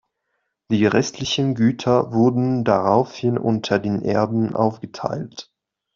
Die restlichen Güter wurden daraufhin unter den Erben aufgeteilt.